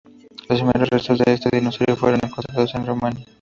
Los primeros restos de este dinosaurio fueron encontrados en Rumanía.